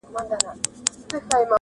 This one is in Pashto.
د عرب خبره زړه ته سوله تېره-